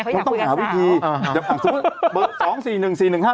เขาต้องหาวิธีไงเขาอยากคุยกับสาม